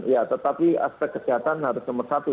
ya tetapi aspek kesehatan harus nomor satu